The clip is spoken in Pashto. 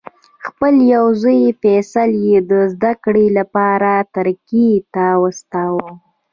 خپل یو زوی فیصل یې د زده کړې لپاره ترکیې ته واستاوه.